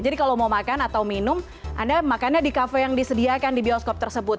jadi kalau mau makan atau minum anda makannya di kafe yang disediakan di bioskop tersebut